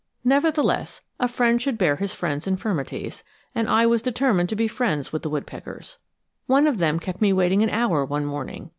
Nevertheless, "A friend should bear his friend's infirmities," and I was determined to be friends with the woodpeckers. One of them kept me waiting an hour one morning.